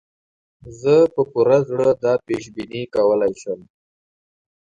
زه په پوره زړه دا پېش بیني کولای شم.